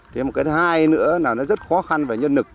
thế mà cái thứ hai nữa là nó rất khó khăn và nhân lực